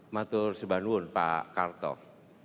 matur sebanun pak kartof